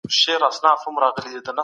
سیال هیواد کلتوري تبادله نه دروي.